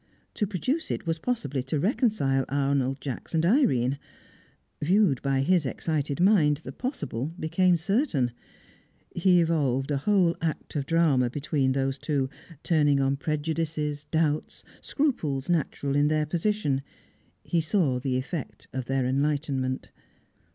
To produce it was possibly to reconcile Arnold Jacks and Irene. Viewed by his excited mind, the possible became certain; he evolved a whole act of drama between those two, turning on prejudices, doubts, scruples natural in their position; he saw the effect of their enlightenment.